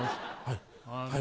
はい。